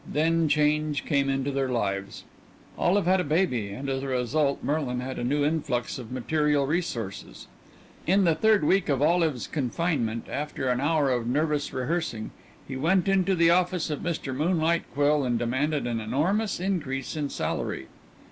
Then change came into their lives: Olive had a baby, and as a result Merlin had a new influx of material resources. In the third week of Olive's confinement, after an hour of nervous rehearsing, he went into the office of Mr. Moonlight Quill and demanded an enormous increase in salary.